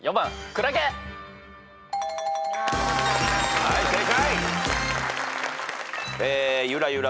はい正解。